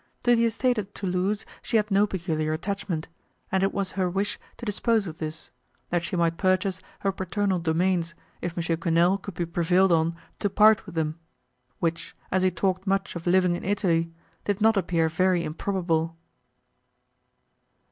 To the estate at Thoulouse she had no peculiar attachment, and it was her wish to dispose of this, that she might purchase her paternal domains, if M. Quesnel could be prevailed on to part with them, which, as he talked much of living in Italy, did not appear very improbable.